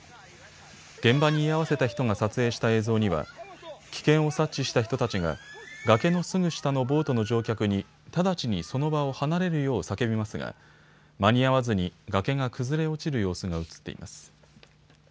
現場に居合わせた人が撮影した映像には危険を察知した人たちが崖のすぐ下のボートの乗客に直ちにその場を離れるよう叫びますが間に合わずに崖が崩れ落ちる様子が映っています。